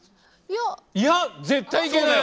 いや絶対行けない！